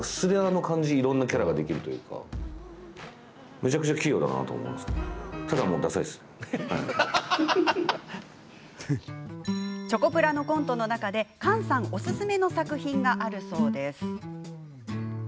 めちゃくちゃ器用だなと思うんですけどチョコプラのコントの中で菅さんおすすめの作品があるそうです。